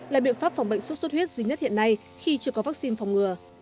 là biện pháp phòng bệnh sốt xuất huyết duy nhất hiện nay khi chưa có vaccine phòng ngừa